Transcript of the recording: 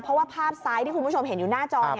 เพราะว่าภาพซ้ายที่คุณผู้ชมเห็นอยู่หน้าจอ